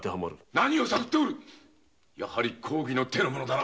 何を探っておる⁉公儀の手の者だな？